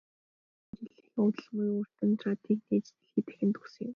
Хатагтай Кюре олон жилийнхээ хөдөлмөрийн үр дүнд радийг нээж дэлхий дахинд өгсөн юм.